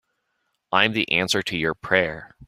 I'm the answer to your prayer.